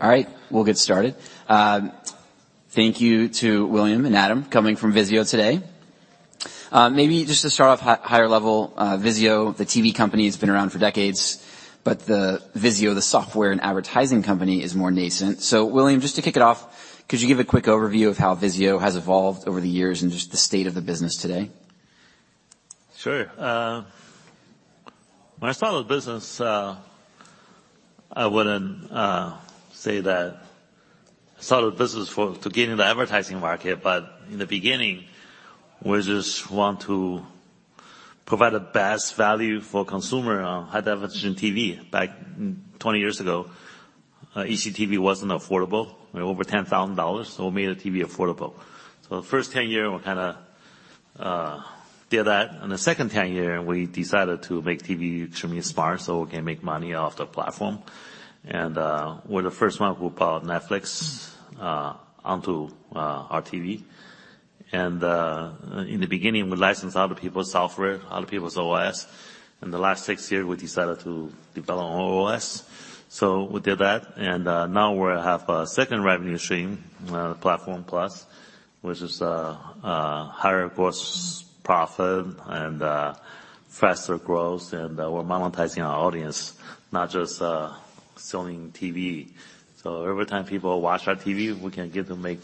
All right, we'll get started. Thank you to William and Adam coming from VIZIO today. Maybe just to start off higher level, VIZIO, the TV company, has been around for decades, but the VIZIO, the software and advertising company, is more nascent. William, just to kick it off, could you give a quick overview of how VIZIO has evolved over the years and just the state of the business today? Sure. When I started the business, I wouldn't say that I started the business to get in the advertising market. In the beginning, we just want to provide the best value for consumer on high-definition TV. Back 20 years ago, HDTV wasn't affordable. It was over $10,000. We made the TV affordable. The first 10 year, we kinda did that. In the second 10 year, we decided to make TV extremely smart, so we can make money off the platform. We're the first one who put Netflix onto our TV. In the beginning, we licensed other people's software, other people's OS. In the last six year, we decided to develop our OS. We did that, and now we have a second revenue stream, the Platform Plus, which is a higher gross profit and faster growth. We're monetizing our audience, not just selling TV. Every time people watch our TV, we can get to make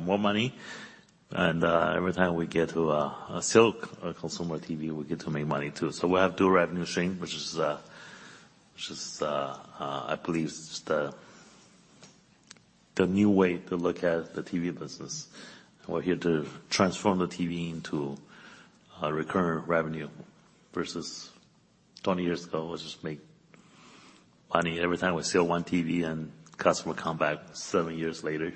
more money. Every time we get to sell a consumer TV, we get to make money too. We have dual revenue stream, which is I believe is just the new way to look at the TV business. We're here to transform the TV into a recurring revenue versus 20 years ago, it was just make money every time we sell one TV and customer come back seven years later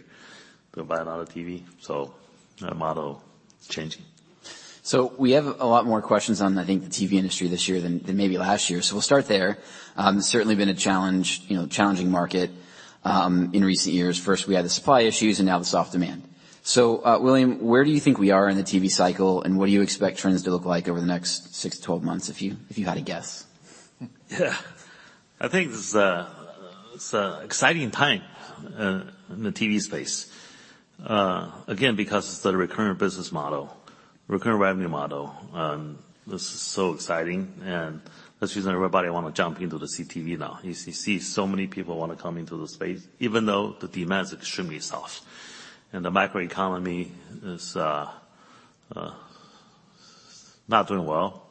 to buy another TV. Our model is changing. We have a lot more questions on, I think, the TV industry this year than maybe last year. We'll start there. It's certainly been a challenge, you know, challenging market, in recent years. First, we had the supply issues and now the soft demand. William, where do you think we are in the TV cycle, and what do you expect trends to look like over the next six to 12 months if you had to guess? Yeah. I think this is exciting time in the TV space. Again, because it's the recurring business model, recurring revenue model, this is so exciting and that's the reason everybody wanna jump into the CTV now. You see so many people wanna come into the space, even though the demand is extremely soft and the macroeconomy is not doing well,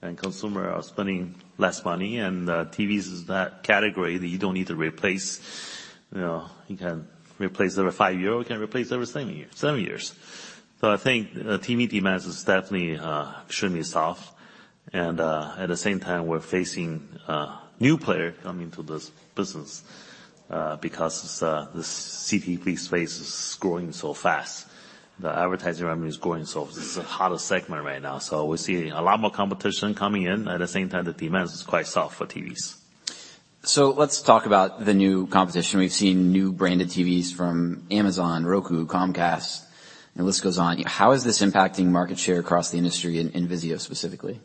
and consumer are spending less money. TVs is that category that you don't need to replace. You know, you can replace every five year or you can replace every seven years. I think TV demand is definitely extremely soft. At the same time, we're facing a new player coming to this business, because this CTV space is growing so fast. The advertising revenue is growing, so this is the hottest segment right now. We're seeing a lot more competition coming in. At the same time, the demand is quite soft for TVs. Let's talk about the new competition. We've seen new branded TVs from Amazon, Roku, Comcast, the list goes on. How is this impacting market share across the industry and in VIZIO specifically?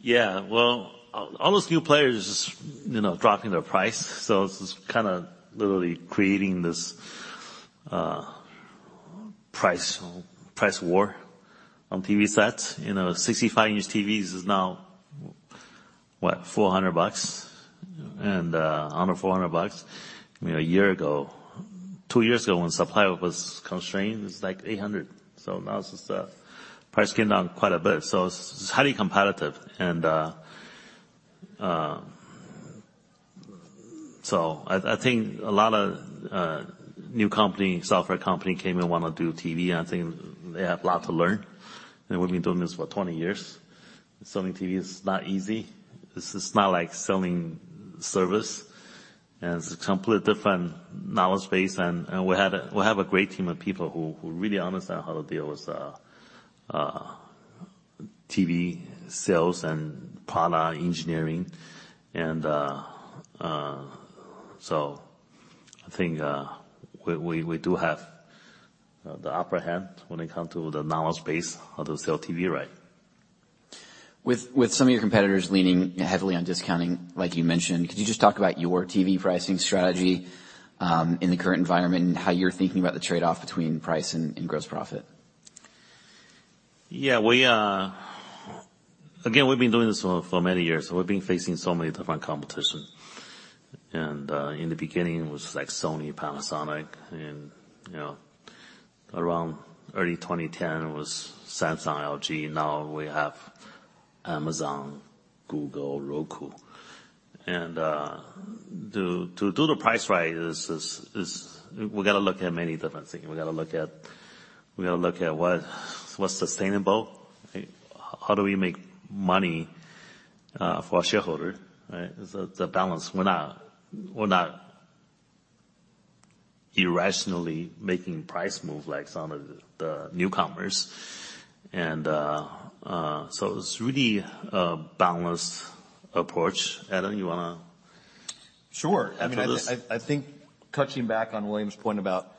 Yeah. Well, all those new players is, you know, dropping their price. It's just kinda literally creating this price war on TV sets. You know, 65-in TVs is now, what? $400 and under $400. You know, a year ago, two years ago, when supply was constrained, it was like $800. Now it's just, price came down quite a bit. It's highly competitive. I think a lot of new company, software company came in wanna do TV, and I think they have a lot to learn. We've been doing this for 20 years. Selling TV is not easy. This is not like selling service, and it's a complete different knowledge base. We have a great team of people who really understand how to deal with TV sales and product engineering. I think, we do have the upper hand when it comes to the knowledge base how to sell TV right. With some of your competitors leaning heavily on discounting, like you mentioned, could you just talk about your TV pricing strategy in the current environment and how you're thinking about the trade-off between price and gross profit? We again, we've been doing this for many years. We've been facing so many different competition. In the beginning it was like Sony, Panasonic, and, you know, around early 2010 it was Samsung, LG. Now we have Amazon, Google, Roku. To do the price right is we've gotta look at many different things. We gotta look at what's sustainable. How do we make money for our shareholder, right? It's a balance. We're not irrationally making price move like some of the newcomers. So it's really a balanced approach. Adam, you wanna- Sure. After this. I mean, I think touching back on William's point about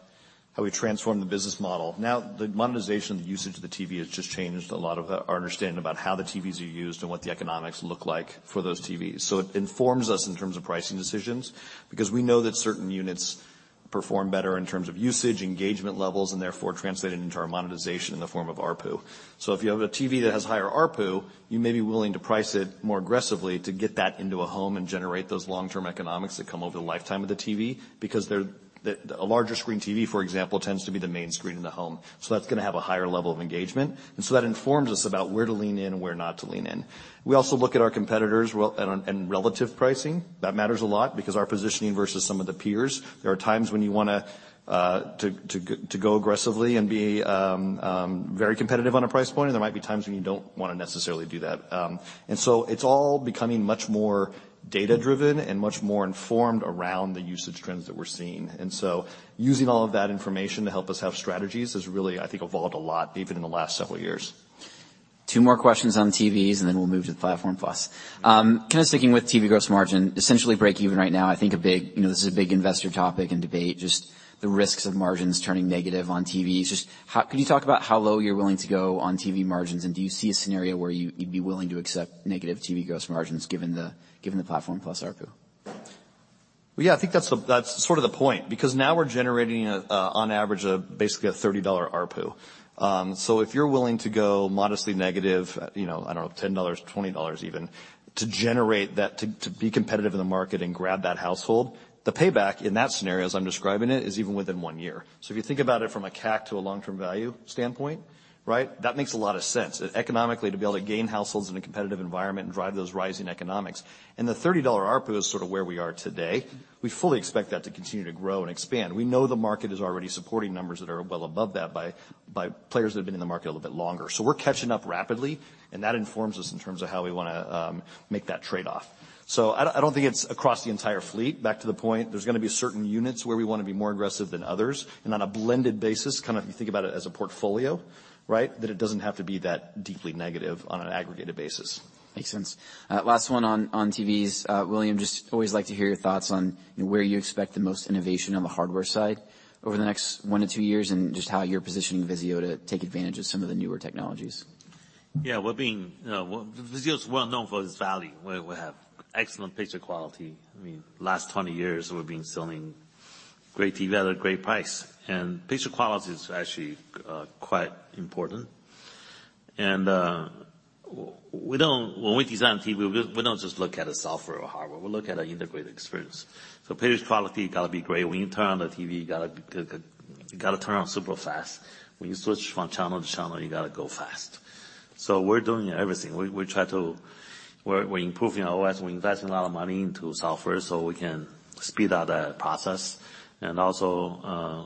how we transform the business model. The monetization usage of the TV has just changed a lot of our understanding about how the TVs are used and what the economics look like for those TVs. It informs us in terms of pricing decisions, because we know that certain units perform better in terms of usage, engagement levels, and therefore translate it into our monetization in the form of ARPU. If you have a TV that has higher ARPU, you may be willing to price it more aggressively to get that into a home and generate those long-term economics that come over the lifetime of the TV because the, a larger screen TV, for example, tends to be the main screen in the home. That's gonna have a higher level of engagement. That informs us about where to lean in and where not to lean in. We also look at our competitors and relative pricing. That matters a lot because our positioning versus some of the peers. There are times when you wanna to go aggressively and be very competitive on a price point, and there might be times when you don't wanna necessarily do that. It's all becoming much more data-driven and much more informed around the usage trends that we're seeing. Using all of that information to help us have strategies has really, I think, evolved a lot, even in the last several years. Two more questions on TVs, then we'll move to the Platform Plus. Kinda sticking with TV gross margin, essentially breakeven right now, I think a big, you know, this is a big investor topic and debate, just the risks of margins turning negative on TVs. Can you talk about how low you're willing to go on TV margins, and do you see a scenario where you'd be willing to accept negative TV gross margins given the Platform Plus ARPU? Well, yeah, I think that's the, that's sort of the point because now we're generating on average a basically a $30 ARPU. If you're willing to go modestly negative, you know, I don't know, $10, $20 even, to generate that, to be competitive in the market and grab that household, the payback in that scenario, as I'm describing it, is even within 1 year. If you think about it from a CAC to a long-term value standpoint, right? That makes a lot of sense. Economically, to be able to gain households in a competitive environment and drive those rising economics. The $30 ARPU is sort of where we are today. We fully expect that to continue to grow and expand. We know the market is already supporting numbers that are well above that by players that have been in the market a little bit longer. We're catching up rapidly, and that informs us in terms of how we wanna make that trade-off. I don't think it's across the entire fleet. Back to the point, there's gonna be certain units where we wanna be more aggressive than others. On a blended basis, kind of if you think about it as a portfolio, right? It doesn't have to be that deeply negative on an aggregated basis. Makes sense. Last one on TVs. William, just always like to hear your thoughts on, you know, where you expect the most innovation on the hardware side over the next one to two years and just how you're positioning VIZIO to take advantage of some of the newer technologies. Yeah. We're being, well, VIZIO is well known for its value. We have excellent picture quality. I mean, last 20 years, we've been selling great TV at a great price. Picture quality is actually quite important. When we design TV, we don't just look at the software or hardware. We look at an integrated experience. Picture quality gotta be great. When you turn on the TV, you gotta turn on super fast. When you switch from channel to channel, you gotta go fast. We're doing everything. We're improving our OS. We're investing a lot of money into software so we can speed up the process. Also,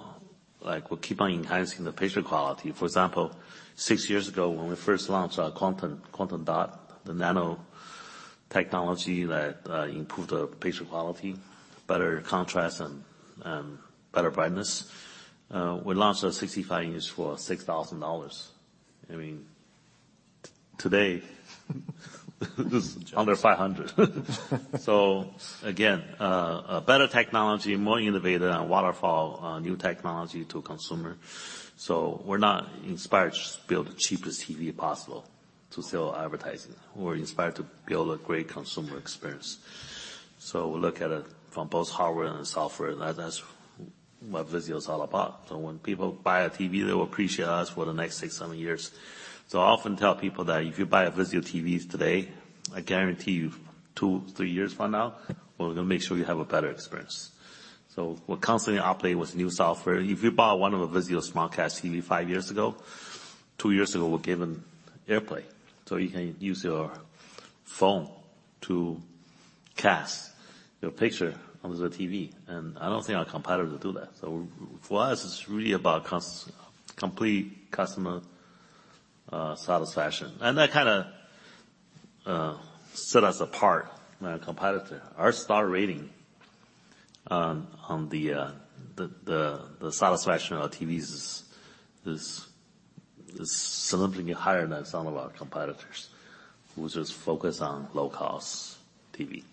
like, we keep on enhancing the picture quality. For example, six years ago, when we first launched our quantum dot, the nano technology that improved the picture quality, better contrast and better brightness, we launched a 65-in for $6,000. I mean, today, under $500. Again, a better technology, more innovative and waterfall new technology to consumer. We're not inspired to just build the cheapest TV possible to sell advertising. We're inspired to build a great consumer experience. We look at it from both hardware and the software. That's what VIZIO is all about. When people buy a TV, they will appreciate us for the next six, seven years. I often tell people that if you buy a VIZIO TVs today, I guarantee you two, three years from now, we're gonna make sure you have a better experience. We're constantly updating with new software. If you bought one of the VIZIO SmartCast TV five years ago, two years ago, we gave them AirPlay. You can use your phone to cast your picture on the TV, and I don't think our competitor do that. For us, it's really about complete customer satisfaction. That kinda set us apart from our competitor. Our star rating on the satisfaction of our TVs is significantly higher than some of our competitors who just focus on low-cost TV.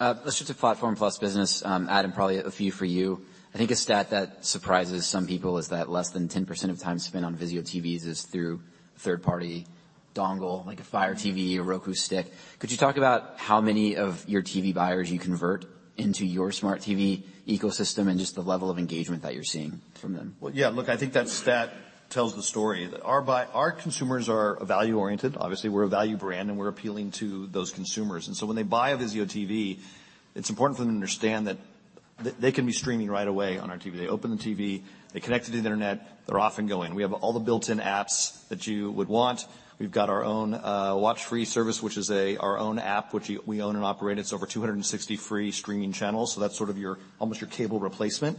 Let's shift to Platform Plus business. Adam, probably a few for you. I think a stat that surprises some people is that less than 10% of time spent on VIZIO TVs is through third-party dongle, like a Fire TV or Roku Stick. Could you talk about how many of your TV buyers you convert into your smart TV ecosystem and just the level of engagement that you're seeing from them? Well, yeah, look, I think that stat tells the story. Our consumers are value-oriented. Obviously, we're a value brand, and we're appealing to those consumers. When they buy a VIZIO TV, it's important for them to understand that they can be streaming right away on our TV. They open the TV, they connect it to the internet, they're off and going. We have all the built-in apps that you would want. We've got our own WatchFree service, which is our own app, which we own and operate. It's over 260 free streaming channels, so that's sort of your almost your cable replacement.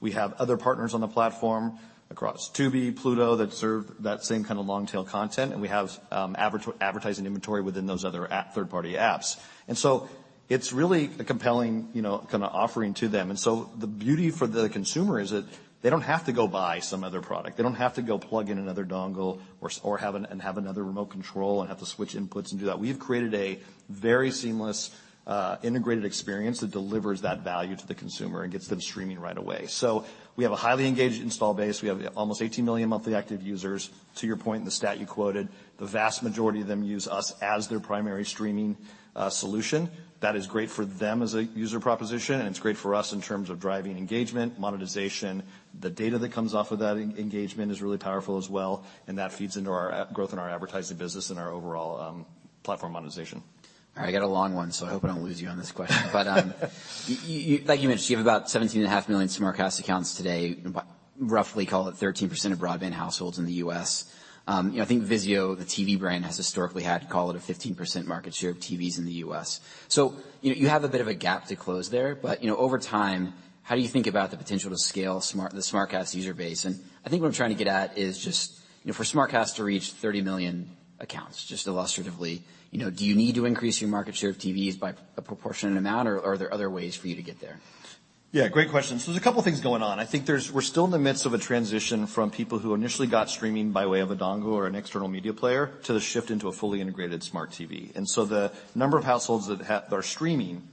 We have other partners on the platform across Tubi, Pluto, that serve that same kind of long-tail content, and we have advertising inventory within those other third-party apps. It's really a compelling, you know, kinda offering to them. The beauty for the consumer is that they don't have to go buy some other product. They don't have to go plug in another dongle or have another remote control and have to switch inputs and do that. We have created a very seamless, integrated experience that delivers that value to the consumer and gets them streaming right away. We have a highly engaged install base. We have almost 18 million monthly active users. To your point and the stat you quoted, the vast majority of them use us as their primary streaming solution. That is great for them as a user proposition, and it's great for us in terms of driving engagement, monetization. The data that comes off of that engagement is really powerful as well, and that feeds into our growth in our advertising business and our overall platform monetization. I got a long one, so I hope I don't lose you on this question. Like you mentioned, you have about 17.5 million SmartCast accounts today, roughly call it 13% of broadband households in the U.S. You know, I think VIZIO, the TV brand, has historically had, call it, a 15% market share of TVs in the U.S. You know, you have a bit of a gap to close there. You know, over time, how do you think about the potential to scale the SmartCast user base? I think what I'm trying to get at is just, you know, for SmartCast to reach 30 million accounts, just illustratively, you know, do you need to increase your market share of TVs by a proportionate amount, or are there other ways for you to get there? Yeah, great question. There's a couple things going on. I think we're still in the midst of a transition from people who initially got streaming by way of a dongle or an external media player to the shift into a fully integrated smart TV. The number of households that are streaming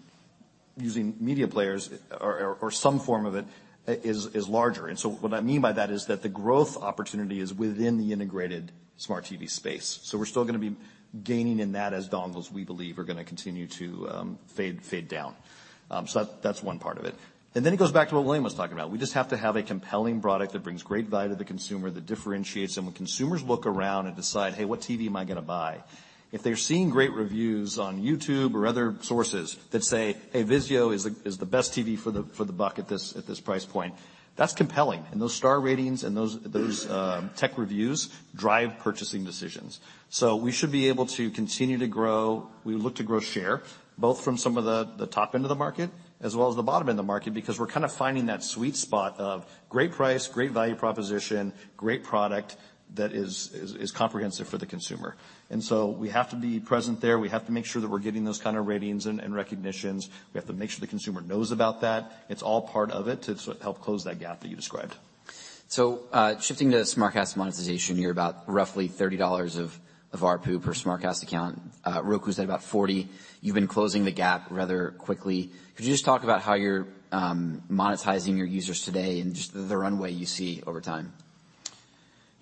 using media players or some form of it is larger. What I mean by that is that the growth opportunity is within the integrated smart TV space. We're still gonna be gaining in that as dongles, we believe, are gonna continue to fade down. That's one part of it. Then it goes back to what William was talking about. We just have to have a compelling product that brings great value to the consumer, that differentiates them. When consumers look around and decide, "Hey, what TV am I gonna buy?" If they're seeing great reviews on YouTube or other sources that say, "Hey, VIZIO is the best TV for the buck at this price point," that's compelling. Those star ratings and those tech reviews drive purchasing decisions. We should be able to continue to grow. We look to grow share, both from some of the top end of the market as well as the bottom end of the market, because we're kinda finding that sweet spot of great price, great value proposition, great product that is comprehensive for the consumer. We have to be present there. We have to make sure that we're getting those kinda ratings and recognitions. We have to make sure the consumer knows about that. It's all part of it to help close that gap that you described. shifting to SmartCast monetization, you're about roughly $30 of ARPU per SmartCast account. Roku's at about $40. You've been closing the gap rather quickly. Could you just talk about how you're monetizing your users today and just the runway you see over time?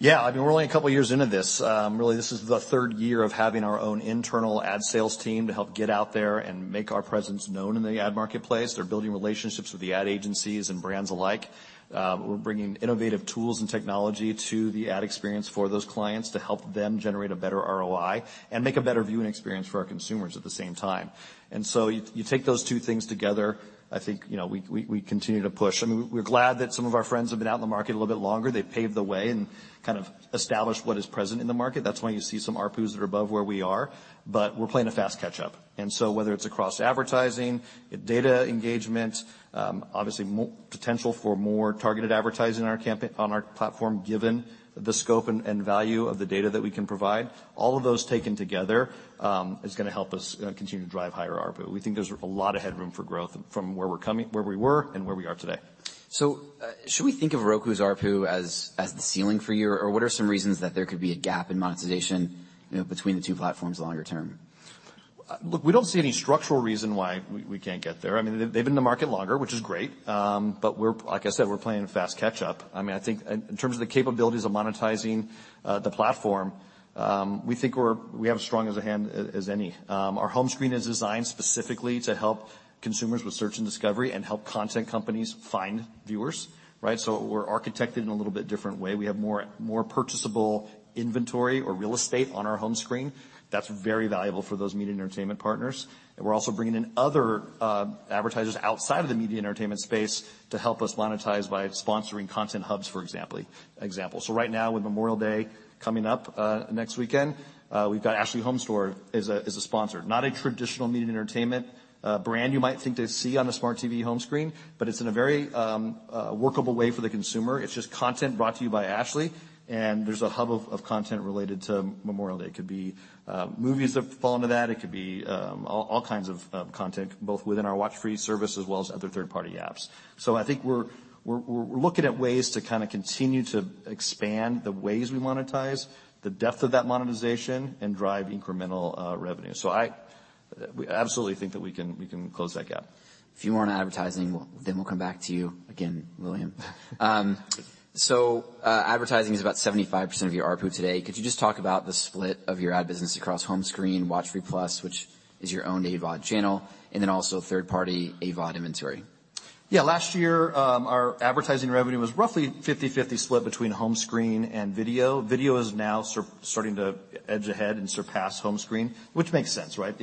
Yeah. I mean, we're only a couple years into this. Really, this is the third year of having our own internal ad sales team to help get out there and make our presence known in the ad marketplace. They're building relationships with the ad agencies and brands alike. We're bringing innovative tools and technology to the ad experience for those clients to help them generate a better ROI and make a better viewing experience for our consumers at the same time. You take those two things together, I think, you know, we continue to push. I mean, we're glad that some of our friends have been out in the market a little bit longer. They've paved the way and kind of established what is present in the market. That's why you see some ARPUs that are above where we are. We're playing a fast catch-up. Whether it's across advertising, data engagement, obviously potential for more targeted advertising on our platform, given the scope and value of the data that we can provide, all of those taken together, is gonna help us continue to drive higher ARPU. We think there's a lot of headroom for growth from where we were and where we are today. Should we think of Roku's ARPU as the ceiling for you? What are some reasons that there could be a gap in monetization, you know, between the two platforms longer term? Look, we don't see any structural reason why we can't get there. I mean, they've been in the market longer, which is great. But like I said, we're playing fast catch-up. I mean, I think in terms of the capabilities of monetizing the platform, we think we have as strong as a hand as any. Our home screen is designed specifically to help consumers with search and discovery and help content companies find viewers, right? We're architected in a little bit different way. We have more purchasable inventory or real estate on our home screen. That's very valuable for those media and entertainment partners. We're also bringing in other advertisers outside of the media and entertainment space to help us monetize by sponsoring content hubs, for example. Right now, with Memorial Day coming up next weekend, we've got Ashley HomeStore as a sponsor. Not a traditional media and entertainment brand you might think to see on a smart TV home screen, but it's in a very workable way for the consumer. It's just content brought to you by Ashley, and there's a hub of content related to Memorial Day. It could be movies that fall into that. It could be all kinds of content, both within our WatchFree service as well as other third-party apps. I think we're looking at ways to kinda continue to expand the ways we monetize, the depth of that monetization, and drive incremental revenue. We absolutely think that we can close that gap. A few more on advertising, then we'll come back to you again, William. Advertising is about 75% of your ARPU today. Could you just talk about the split of your ad business across home screen, WatchFree+, which is your own AVOD channel, and then also third-party AVOD inventory? Yeah. Last year, our advertising revenue was roughly 50/50 split between home screen and video. Video is now starting to edge ahead and surpass home screen, which makes sense, right?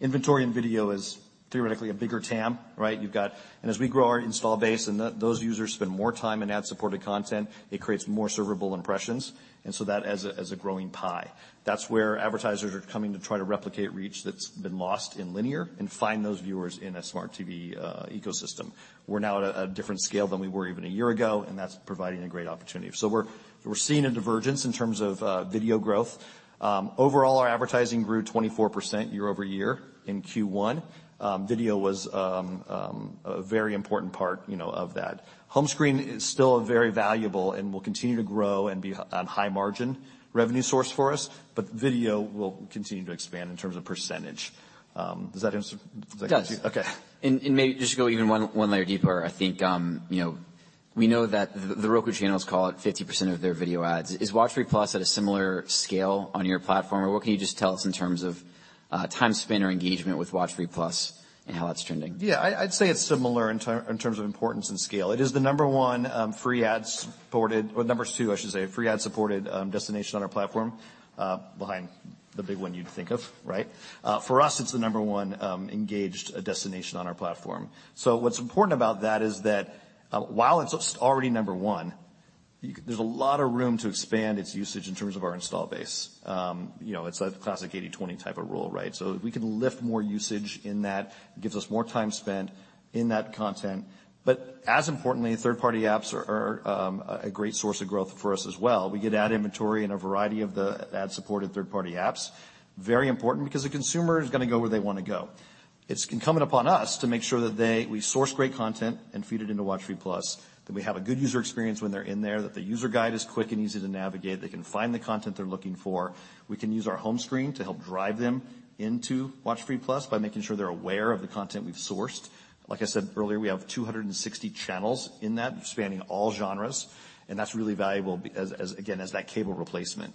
Inventory and video is theoretically a bigger TAM, right? You've got. As we grow our install base and those users spend more time in ad-supported content, it creates more servable impressions. That as a, as a growing pie. That's where advertisers are coming to try to replicate reach that's been lost in linear and find those viewers in a smart TV ecosystem. We're now at a different scale than we were even a year ago, and that's providing a great opportunity. We're, we're seeing a divergence in terms of video growth. Overall, our advertising grew 24% year-over-year in Q1. Video was a very important part, you know, of that. Home screen is still a very valuable and will continue to grow and be high margin revenue source for us, but video will continue to expand in terms of percentage. Does that answer? It does. Okay. Maybe just to go even one layer deeper, I think, you know. We know that the Roku channels call it 50% of their video ads. Is WatchFree+ at a similar scale on your platform? What can you just tell us in terms of time spent or engagement with WatchFree+ and how that's trending? Yeah. I'd say it's similar in terms of importance and scale. It is the number one, free ad-supported or number two, I should say, free ad-supported, destination on our platform, behind the big one you'd think of, right? For us, it's the number one, engaged destination on our platform. What's important about that is that, while it's already number one, there's a lot of room to expand its usage in terms of our install base. You know, it's a classic 80/20 type of rule, right? If we can lift more usage in that, it gives us more time spent in that content. As importantly, third-party apps are a great source of growth for us as well. We get ad inventory in a variety of the ad-supported third-party apps. Very important because the consumer is gonna go where they wanna go. It's incumbent upon us to make sure that we source great content and feed it into WatchFree+, that we have a good user experience when they're in there, that the user guide is quick and easy to navigate, they can find the content they're looking for. We can use our home screen to help drive them into WatchFree+ by making sure they're aware of the content we've sourced. Like I said earlier, we have 260 channels in that spanning all genres, and that's really valuable as, again, as that cable replacement.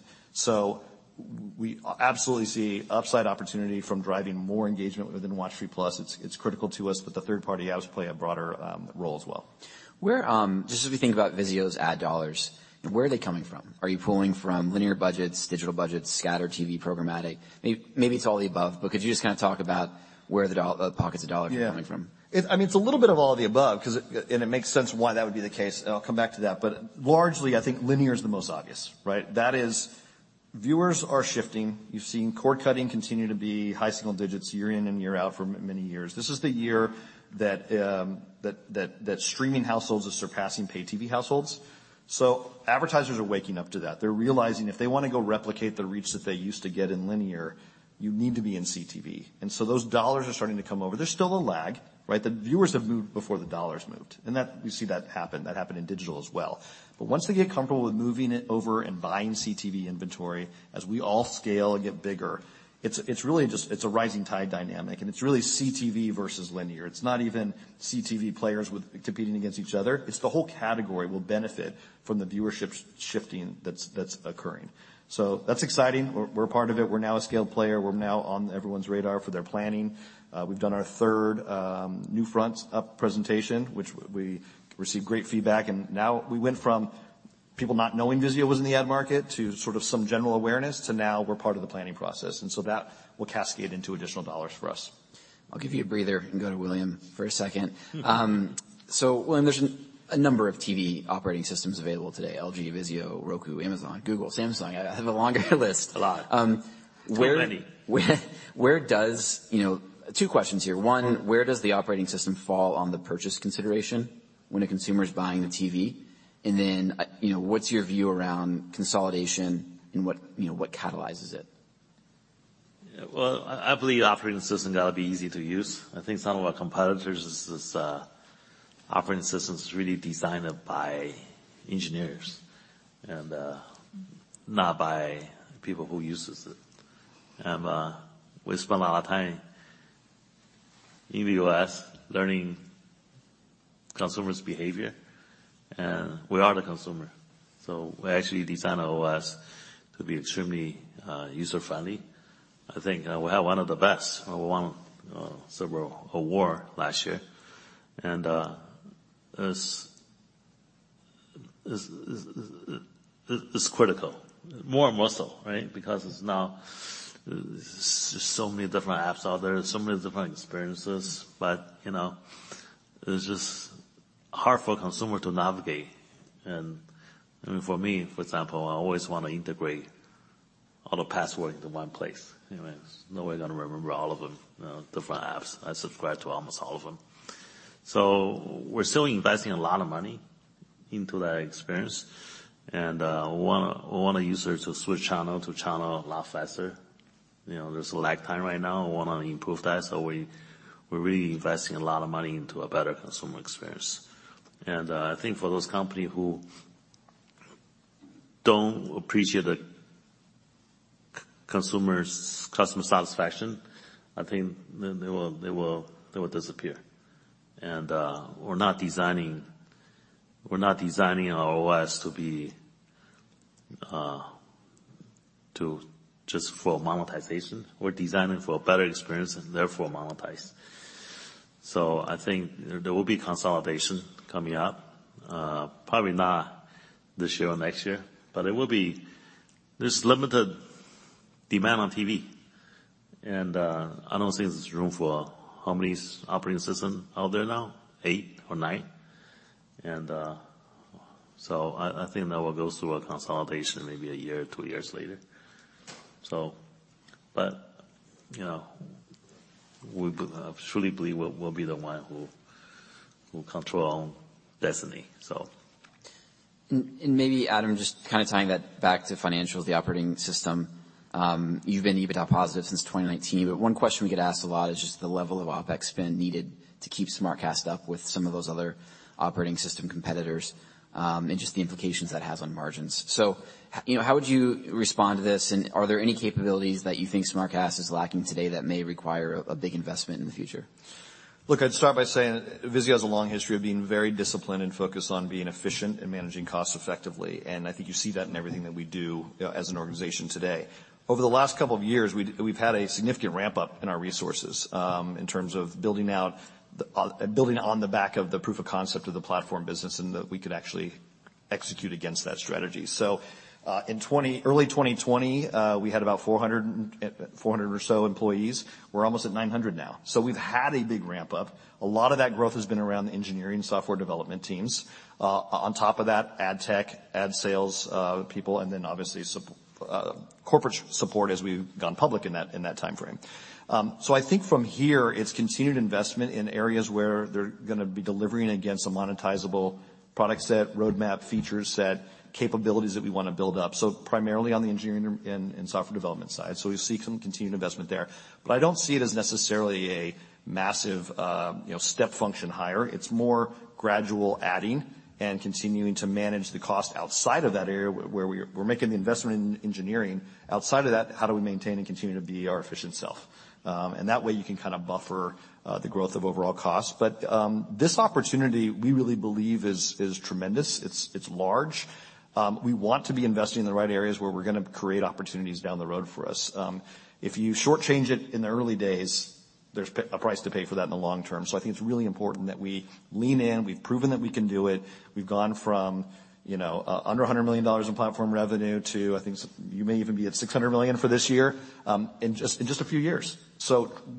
We absolutely see upside opportunity from driving more engagement within WatchFree+. It's critical to us, The third party apps play a broader role as well. Where, just as we think about VIZIO's ad dollars, where are they coming from? Are you pulling from linear budgets, digital budgets, scatter TV programmatic? Maybe it's all the above, could you just kinda talk about where the pockets of dollars are coming from? Yeah. I mean, it's a little bit of all of the above and it makes sense why that would be the case, and I'll come back to that. Largely, I think linear is the most obvious, right? That is, viewers are shifting. You've seen cord cutting continue to be high single digits year in and year out for many years. This is the year that streaming households are surpassing paid TV households. Advertisers are waking up to that. They're realizing if they wanna go replicate the reach that they used to get in linear, you need to be in CTV. Those dollars are starting to come over. There's still a lag, right? The viewers have moved before the dollars moved. We see that happen. That happened in digital as well. Once they get comfortable with moving it over and buying CTV inventory, as we all scale and get bigger, it's really just it's a rising tide dynamic, and it's really CTV versus linear. It's not even CTV players with competing against each other. It's the whole category will benefit from the viewership shifting that's occurring. That's exciting. We're a part of it. We're now a scaled player. We're now on everyone's radar for their planning. We've done our 3rd NewFront up presentation, which we received great feedback. Now we went from people not knowing VIZIO was in the ad market to sort of some general awareness, to now we're part of the planning process. That will cascade into additional dollars for us. I'll give you a breather and go to William for a second. William, there's a number of TV operating systems available today. LG, VIZIO, Roku, Amazon, Google, Samsung. I have a longer list. A lot. Um, where- Too many. You know, two questions here. One, where does the operating system fall on the purchase consideration when a consumer is buying a TV? Then, you know, what's your view around consolidation and what, you know, what catalyzes it? I believe operating system gotta be easy to use. I think some of our competitors' is operating system is really designed by engineers and not by people who uses it. We spend a lot of time in the OS learning consumers' behavior, and we are the consumer. We actually design our OS to be extremely user-friendly. I think we have one of the best. We won several award last year. It's critical. More muscle, right? Because it's now so many different apps out there, so many different experiences, but, you know, it's just hard for a consumer to navigate. I mean, for me, for example, I always wanna integrate all the password into one place. You know, there's no way I'm gonna remember all of them, you know, different apps. I subscribe to almost all of them. We're still investing a lot of money into that experience. We wanna user to switch channel to channel a lot faster. You know, there's a lag time right now. We wanna improve that. We're really investing a lot of money into a better consumer experience. I think for those company who don't appreciate the consumer's customer satisfaction, I think they will disappear. We're not designing our OS to be just for monetization. We're designing for a better experience and therefore monetize. I think there will be consolidation coming up, probably not this year or next year, but it will be. There's limited demand on TV. I don't think there's room for how many operating system out there now? Eight or nine. I think that will go through a consolidation maybe a year, two years later. You know, we truly believe we'll be the one who control destiny. Maybe Adam, just kinda tying that back to financials, the operating system. You've been EBITDA positive since 2019, but one question we get asked a lot is just the level of OpEx spend needed to keep SmartCast up with some of those other operating system competitors. Just the implications that has on margins. How would you respond to this and are there any capabilities that you think SmartCast is lacking today that may require a big investment in the future? Look, I'd start by saying VIZIO has a long history of being very disciplined and focused on being efficient and managing costs effectively. I think you see that in everything that we do, you know, as an organization today. Over the last couple of years, we've had a significant ramp-up in our resources, in terms of building out building on the back of the proof of concept of the platform business and that we could actually execute against that strategy. In early 2020, we had about 400 or so employees. We're almost at 900 now. We've had a big ramp-up. A lot of that growth has been around the engineering software development teams. On top of that, ad tech, ad sales, people, and then obviously corporate support as we've gone public in that, in that timeframe. I think from here, it's continued investment in areas where they're gonna be delivering against a monetizable product set, roadmap, feature set, capabilities that we wanna build up. Primarily on the engineering and software development side. We see some continued investment there, but I don't see it as necessarily a massive, you know, step function hire. It's more gradual adding and continuing to manage the cost outside of that area where we're making the investment in engineering. Outside of that, how do we maintain and continue to be our efficient self? And that way you can kind of buffer the growth of overall costs. This opportunity we really believe is tremendous. It's large. We want to be investing in the right areas where we're gonna create opportunities down the road for us. If you shortchange it in the early days, there's a price to pay for that in the long term. I think it's really important that we lean in. We've proven that we can do it. We've gone from, you know, under $100 million in Platform revenue to, I think you may even be at $600 million for this year, in just a few years.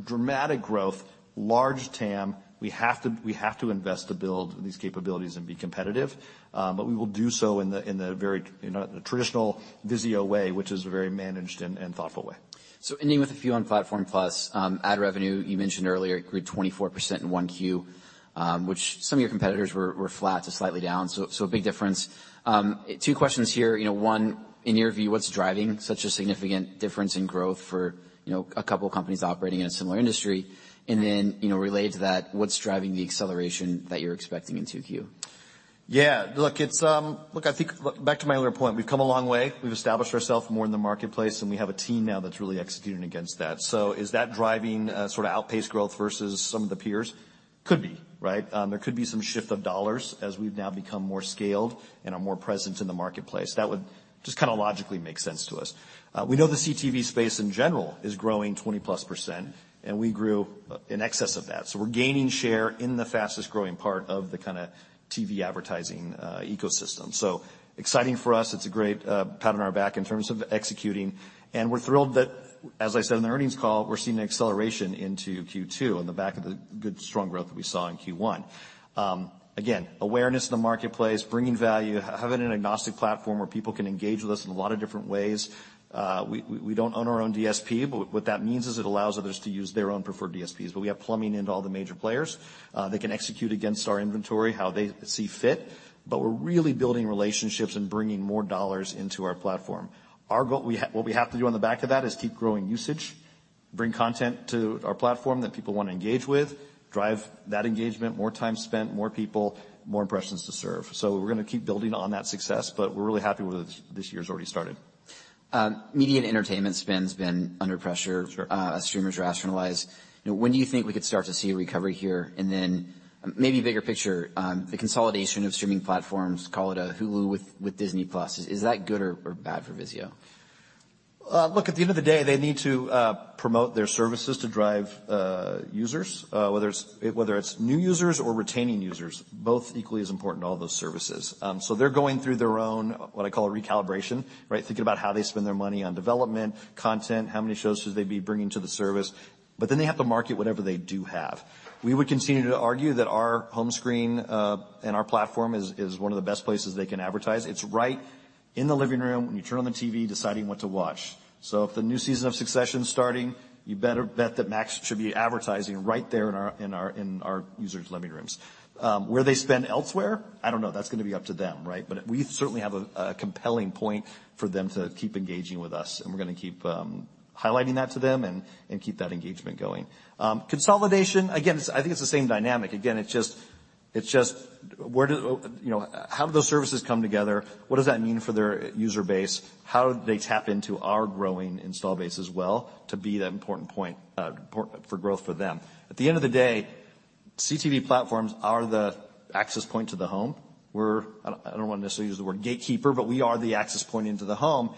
Dramatic growth, large TAM, we have to invest to build these capabilities and be competitive. We will do so in a, the traditional VIZIO way, which is a very managed and thoughtful way. Ending with a few on Platform Plus, ad revenue, you mentioned earlier grew 24% in 1Q, which some of your competitors were flat to slightly down. A big difference. Two questions here. You know, one, in your view, what's driving such a significant difference in growth for, you know, a couple of companies operating in a similar industry? You know, related to that, what's driving the acceleration that you're expecting in 2Q? Yeah. Look, it's. Look, I think back to my earlier point, we've come a long way. We've established ourself more in the marketplace, and we have a team now that's really executing against that. Is that driving sort of outpaced growth versus some of the peers? Could be, right? There could be some shift of dollars as we've now become more scaled and are more present in the marketplace. That would just kinda logically make sense to us. We know the CTV space in general is growing 20%+, and we grew in excess of that. We're gaining share in the fastest-growing part of the kinda TV advertising ecosystem. Exciting for us. It's a great pat on our back in terms of executing. We're thrilled that, as I said in the earnings call, we're seeing an acceleration into Q2 on the back of the good strong growth that we saw in Q1. Again, awareness in the marketplace, bringing value, having an agnostic platform where people can engage with us in a lot of different ways. We don't own our own DSP, but what that means is it allows others to use their own preferred DSPs. We have plumbing into all the major players. They can execute against our inventory how they see fit. We're really building relationships and bringing more dollars into our platform. Our goal, what we have to do on the back of that is keep growing usage, bring content to our platform that people wanna engage with, drive that engagement, more time spent, more people, more impressions to serve. We're gonna keep building on that success, but we're really happy with the way this year has already started. Media and entertainment spend's been under pressure. Sure. as streamers rationalize. You know, when do you think we could start to see a recovery here? Then maybe bigger picture, the consolidation of streaming platforms, call it a Hulu with Disney+. Is that good or bad for VIZIO? Look, at the end of the day, they need to promote their services to drive users, whether it's new users or retaining users, both equally as important to all those services. They're going through their own, what I call a recalibration, right? Thinking about how they spend their money on development, content, how many shows should they be bringing to the service. They have to market whatever they do have. We would continue to argue that our home screen and our platform is one of the best places they can advertise. It's right in the living room when you turn on the TV, deciding what to watch. If the new season of Succession is starting, you better bet that Max should be advertising right there in our users' living rooms. Where they spend elsewhere, I don't know. That's gonna be up to them, right? We certainly have a compelling point for them to keep engaging with us, and we're gonna keep highlighting that to them and keep that engagement going. Consolidation, again, I think it's the same dynamic. Again, it's just, you know, how do those services come together? What does that mean for their user base? How do they tap into our growing install base as well to be that important point, important for growth for them? At the end of the day, CTV platforms are the access point to the home. I don't, I don't wanna necessarily use the word gatekeeper, but we are the access point into the home.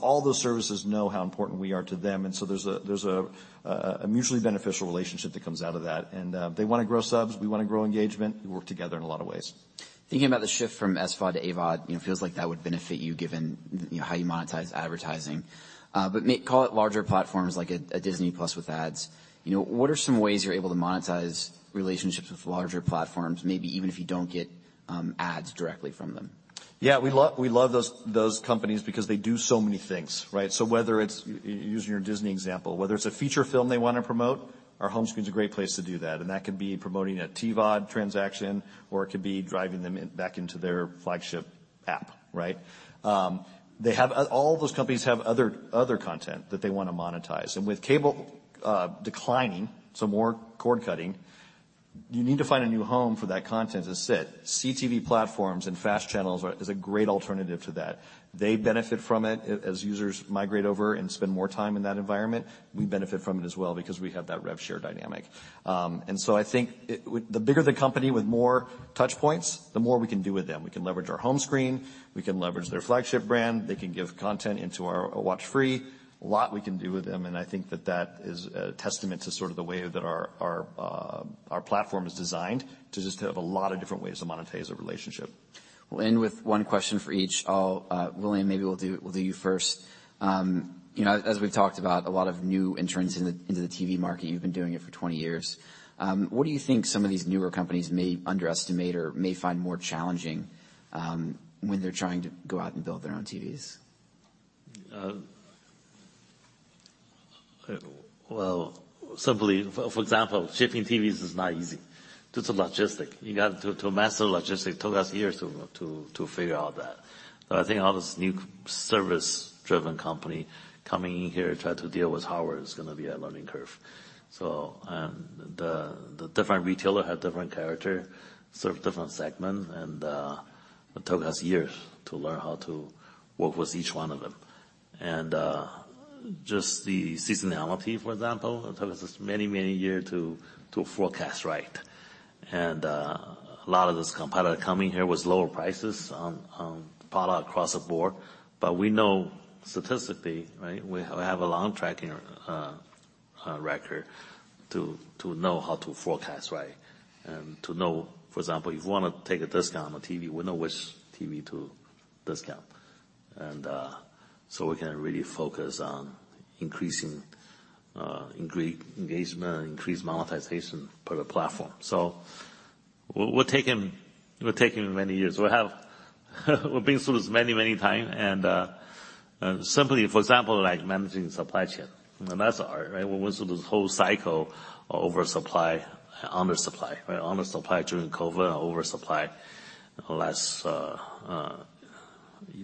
All those services know how important we are to them. There's a mutually beneficial relationship that comes out of that. They wanna grow subs, we wanna grow engagement. We work together in a lot of ways. Thinking about the shift from SVOD to AVOD, you know, it feels like that would benefit you given, you know, how you monetize advertising. Call it larger platforms like a Disney+ with ads. You know, what are some ways you're able to monetize relationships with larger platforms, maybe even if you don't get ads directly from them? Yeah. We love those companies because they do so many things, right? Whether it's using your Disney example, whether it's a feature film they wanna promote, our home screen's a great place to do that. That could be promoting a TVOD transaction, or it could be driving them back into their flagship app, right? All those companies have other content that they wanna monetize. With cable declining, more cord cutting, you need to find a new home for that content to sit. CTV platforms and FAST channels is a great alternative to that. They benefit from it as users migrate over and spend more time in that environment. We benefit from it as well because we have that rev share dynamic. I think the bigger the company with more touch points, the more we can do with them. We can leverage our home screen, we can leverage their flagship brand, they can give content into our WatchFree. A lot we can do with them, and I think that that is a testament to sort of the way that our platform is designed to just have a lot of different ways to monetize a relationship. We'll end with one question for each. I'll William, maybe we'll do you first. You know, as we've talked about a lot of new entrants into the TV market, you've been doing it for 20 years. What do you think some of these newer companies may underestimate or may find more challenging when they're trying to go out and build their own TVs? Well, simply, for example, shipping TVs is not easy due to logistics. You got to master logistics. Took us years to figure out that. I think all this new service-driven company coming in here trying to deal with hardware is gonna be a learning curve. The different retailer have different character, serve different segment, and it took us years to learn how to work with each one of them. Just the seasonality, for example, it took us many year to forecast right. A lot of this competitor coming here with lower prices on product across the board. We know statistically, right, we have a long tracking record to know how to forecast right and to know, for example, if we wanna take a discount on a TV, we know which TV to discount. We can really focus on increasing engagement, increase monetization per the platform. We're taking many years. We've been through this many time, and simply for example, like managing supply chain, and that's hard, right? We went through this whole cycle of oversupply, undersupply, right? Undersupply during COVID and oversupply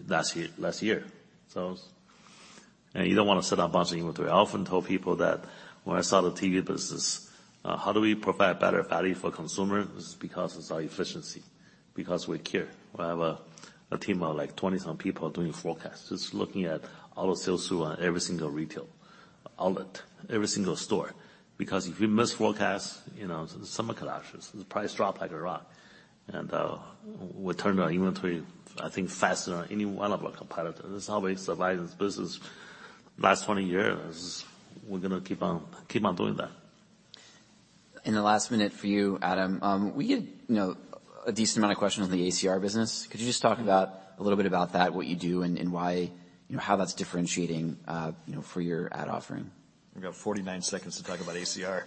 last year. You don't wanna sit on bunch of inventory. I often tell people that when I start a TV business, how do we provide better value for consumer? This is because it's our efficiency, because we care. We have a team of like 20 some people doing forecasts, just looking at all the sales through on every single retail outlet, every single store. If you misforecast, you know, some collapses, the price drop like a rock. We turn our inventory, I think, faster than any one of our competitor. This is how we survive this business the last 20 years. We're gonna keep on doing that. In the last minute for you, Adam, we get, you know, a decent amount of questions on the ACR business. Could you just talk a little bit about that, what you do and why, you know, how that's differentiating, you know, for your ad offering? We've got 49 seconds to talk about ACR.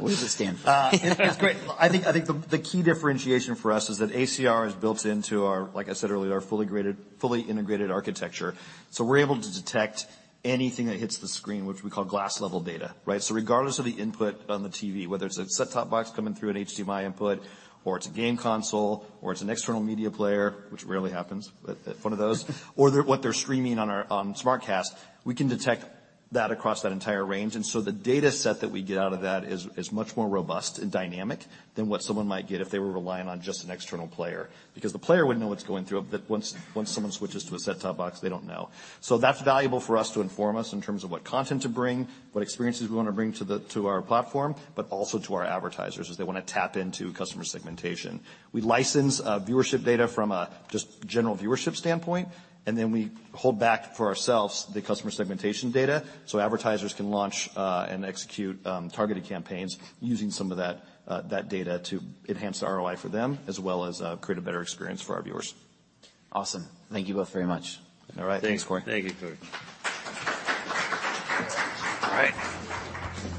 What does it stand for? It's great. I think the key differentiation for us is that ACR is built into our, like I said earlier, our fully integrated architecture. We're able to detect anything that hits the screen, which we call glass-level data, right? Regardless of the input on the TV, whether it's a set-top box coming through an HDMI input or it's a game console or it's an external media player, which rarely happens, but one of those, or what they're streaming on our SmartCast, we can detect that across that entire range. The data set that we get out of that is much more robust and dynamic than what someone might get if they were relying on just an external player. The player would know what's going through, but once someone switches to a set-top box, they don't know. That's valuable for us to inform us in terms of what content to bring, what experiences we wanna bring to our platform, but also to our advertisers as they wanna tap into customer segmentation. We license viewership data from a just general viewership standpoint, and then we hold back for ourselves the customer segmentation data, so advertisers can launch and execute targeted campaigns using some of that data to enhance the ROI for them, as well as create a better experience for our viewers. Awesome. Thank you both very much. All right. Thanks, Corey. Thank you, Corey. All right.